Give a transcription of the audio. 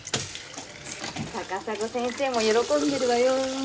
高砂先生も喜んでるわよ